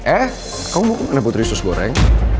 eh kamu mau kemana putri usus goreng